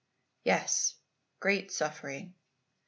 "Yes; great suffering.